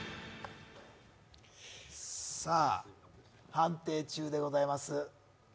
判定中でございます。